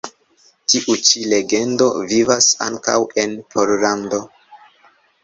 Tiu ĉi legendo vivas ankaŭ en Pollando.